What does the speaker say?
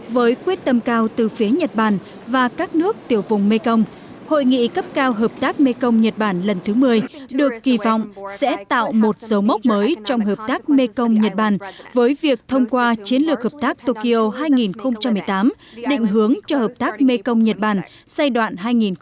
với quyết tâm cao từ phía nhật bản và các nước tiểu vùng mekong hội nghị cấp cao hợp tác mekong nhật bản lần thứ một mươi được kỳ vọng sẽ tạo một dấu mốc mới trong hợp tác mekong nhật bản với việc thông qua chiến lược hợp tác tokyo hai nghìn một mươi tám định hướng cho hợp tác mekong nhật bản giai đoạn hai nghìn hai mươi một hai nghìn hai mươi năm